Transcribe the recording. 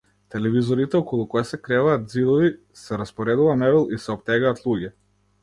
Телевизорите околу кои се креваат ѕидови, се распоредува мебел и се оптегаат луѓе.